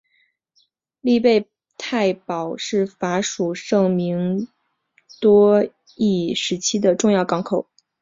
利贝泰堡是法属圣多明戈时期的重要港口。